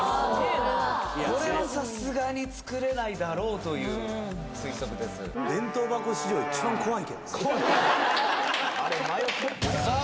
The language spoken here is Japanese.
これはさすがに作れないだろうという推測ですさあ